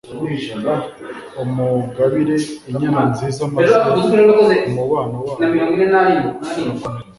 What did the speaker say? amugabira inyana nziza maze umubano wabo urakomera